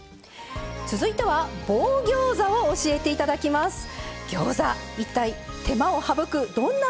続いては棒ギョーザを教えていただきます。